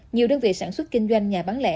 nhiều đơn vị sản xuất kinh doanh nhà bán lẻ